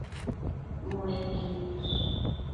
Muequi niash